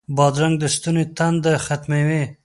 بادرنګ د ستوني تنده ختموي.